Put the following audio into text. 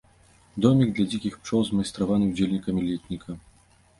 Домік для дзікіх пчол, змайстраваны ўдзельнікамі летніка.